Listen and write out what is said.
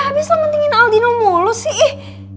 ya habis lo pentingin aldino mulu sih ih